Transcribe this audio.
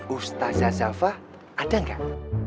ustazah sava ada enggak